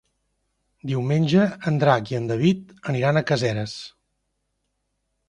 Diumenge en Drac i en David aniran a Caseres.